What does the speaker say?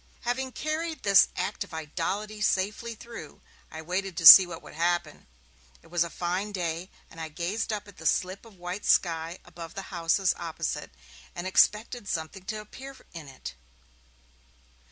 Having carried this act of idolatry safely through, I waited to see what would happen. It was a fine day, and I gazed up at the slip of white sky above the houses opposite, and expected something to appear in it.